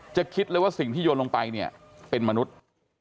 คิดเลยว่าสิ่งที่โยนลงไปเนี่ยเป็นมนุษย์